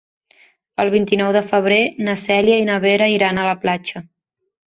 El vint-i-nou de febrer na Cèlia i na Vera iran a la platja.